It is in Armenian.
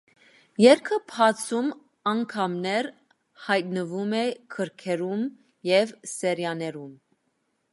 Երգը բազում անգամներ հայտնվում է գրքերում և սերիաներում։